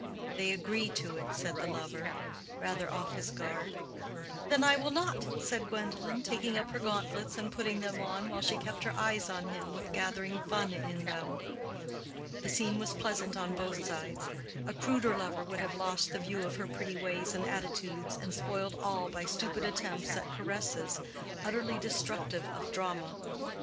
"They agree to it," said the lover, rather off his guard. "Then I will not!" said Gwendolen, taking up her gauntlets and putting them on, while she kept her eyes on him with gathering fun in them. The scene was pleasant on both sides. A cruder lover would have lost the view of her pretty ways and attitudes, and spoiled all by stupid attempts at caresses, utterly destructive of drama.